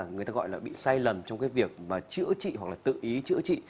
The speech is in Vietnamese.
người ta gọi là bị sai lầm trong cái việc mà chữa trị hoặc là tự ý chữa trị